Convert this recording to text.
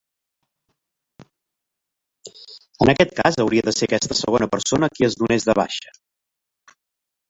En aquest cas hauria de ser aquesta segona persona qui es donés de baixa.